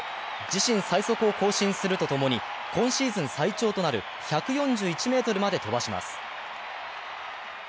自身最速を更新するとともに、今シーズン最長となる１４１ｍまで飛ばします。